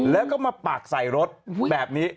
แล้วก็มาปากใส่รถแบบนี้